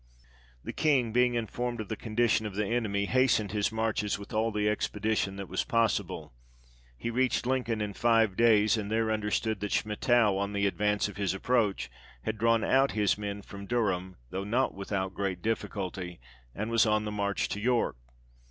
The King being informed of the condition of the enemy, hastened his marches with all the expedition that was possible. He reached Lincoln in five days ; and there understood that Schmettau, on the advice of his approach, had drawn out his men from Durham, though not without great difficulty, and was on the march to York.